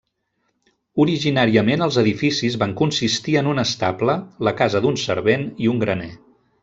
Originàriament els edificis van consistir en un estable, la casa d'un servent i un graner.